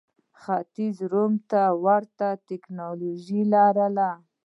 ختیځ روم ته ورته ټکنالوژي لرله.